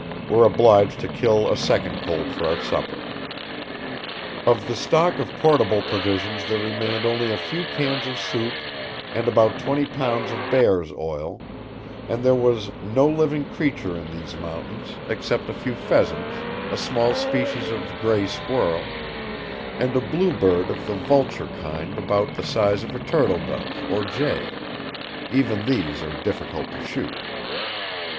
Were obliged to kill a second colt for our supper." Of the stock of portable provisions there remained only a few cans of soup and about twenty pounds of bear's oil; and there was "no living creature in these mountains, except a few pheasants, a small species of gray squirrel, and a blue bird of the vulture kind about the size of a turtle dove or jay; even these are difficult to shoot."